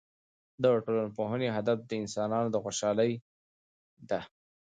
د ټولنپوهنې هدف د انسانانو خوشحالي ده.